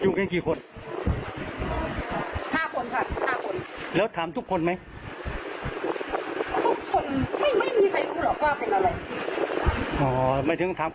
อืม